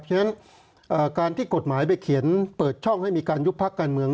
ฉะนั้นการที่กฎหมายไปเขียนเปิดช่องให้มีการยุบพักการเมือง